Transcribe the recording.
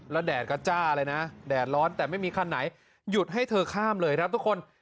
แล้วแดดก็จ้าเลยนะแดดร้อนแต่ไม่มีคันไหนหยุดให้เธอข้ามเลยครับทุกคน